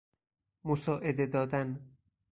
مساعده دادن